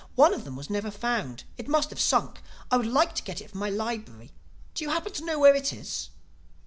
One of them was never found. It must have sunk. I would like to get it for my library. Do you happen to know where it is?"